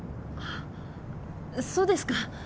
あっそうですか。